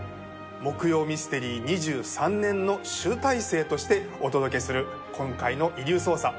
木曜ミステリー２３年の集大成としてお届けする今回の『遺留捜査』。